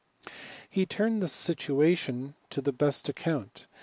He turned this situation to the best account.